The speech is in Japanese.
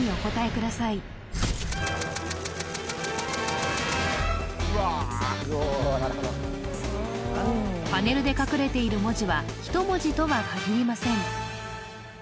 くださいパネルで隠れている文字は１文字とは限りません